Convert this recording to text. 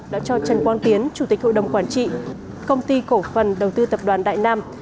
đã cho trần quang tiến chủ tịch hội đồng quản trị công ty cổ phần đầu tư tập đoàn đại nam